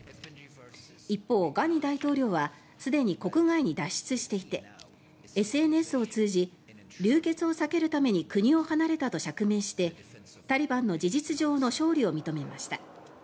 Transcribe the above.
一方、ガニ大統領はすでに国外に脱出していてＳＮＳを通じ流血を避けるために国を離れたと釈明してタリバンの事実上の勝利を認めました。